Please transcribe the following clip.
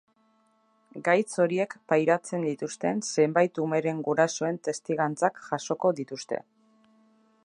Gaitz horiek pairatzen dituzten zenbait umeren gurasoen testigantzak jasoko dituzte.